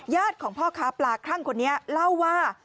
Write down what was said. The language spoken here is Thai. ของพ่อค้าปลาคลั่งคนนี้เล่าว่า